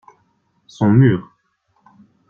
Son mur.